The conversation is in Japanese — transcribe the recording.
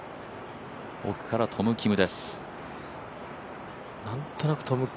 奥からトム・キムです。